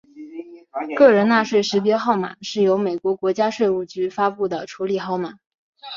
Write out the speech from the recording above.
个人纳税识别号码是由美国国家税务局发布的处理号码。